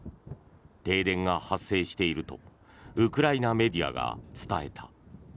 停電が発生しているとウクライナメディアが伝えた。